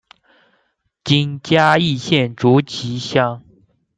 今嘉义县竹崎乡。